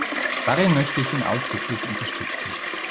Darin möchte ich ihn ausdrücklich unterstützen.